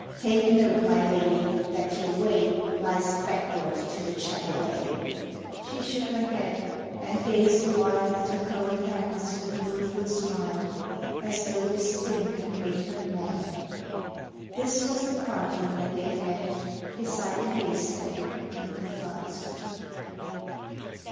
Take note, my lady, that your way Lies backward to the Chatelet! She shook her head and gazed awhile At her cold hands with a rueful smile, As though this thing had made her mad. This was the parting that they had Beside the haystack in the floods.